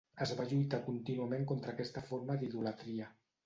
Es va lluitar contínuament contra aquesta forma d'idolatria.